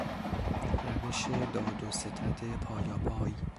روش دادوستد پایاپای